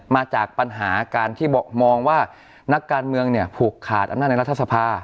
มาจากปัญหาการที่มองว่านักการเมืองเนี่ยผูกขาดอำนาจในรัฐสภา